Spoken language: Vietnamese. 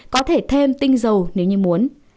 có thể thêm tinh dầu nếu như muốn